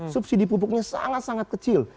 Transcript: subsidi pupuknya sangat sangat kecil